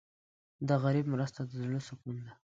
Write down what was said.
د غریب مرسته د زړه سکون ده.